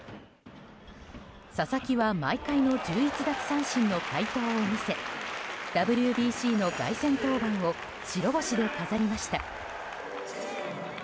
佐々木は毎回の１１奪三振の快投を見せＷＢＣの凱旋登板を白星で飾りました。